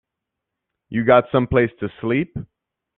You got someplace to sleep?